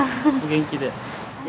元気で！